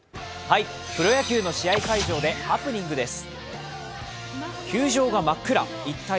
プロ野球の試合会場でハプニングです。